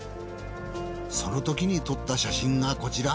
そのときに撮った写真がこちら。